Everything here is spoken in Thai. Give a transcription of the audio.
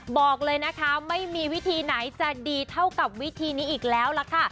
บอกเลยนะคะไม่มีวิธีไหนจะดีเท่ากับวิธีนี้อีกแล้วล่ะค่ะ